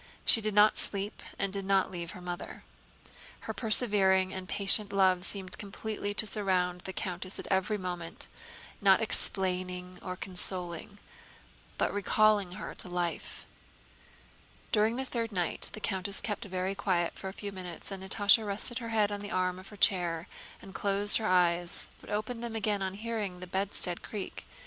She did not sleep and did not leave her mother. Her persevering and patient love seemed completely to surround the countess every moment, not explaining or consoling, but recalling her to life. During the third night the countess kept very quiet for a few minutes, and Natásha rested her head on the arm of her chair and closed her eyes, but opened them again on hearing the bedstead creak.